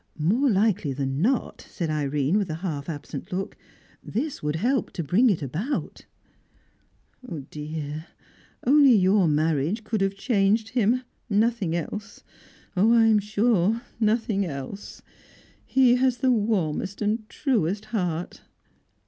"More likely than not," said Irene, with a half absent look, "this would help to bring it about." "Dear, only your marriage could have changed him nothing else. Oh, I am sure, nothing else! He has the warmest and truest heart!"